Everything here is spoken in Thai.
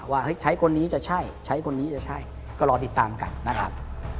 เฮ้ยใช้คนนี้จะใช่ใช้คนนี้จะใช่ก็รอติดตามกันนะครับ